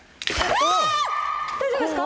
大丈夫ですか？